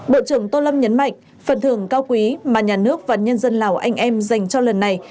bộ trưởng tô lâm nhấn mạnh phần thưởng cao quý mà nhà nước và nhân dân lào anh em dành cho lần này